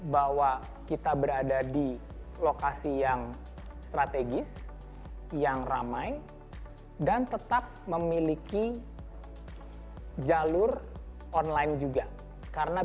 bahwa kita berada di lokasi yang strategis yang ramai dan tetap memiliki jalur online juga karena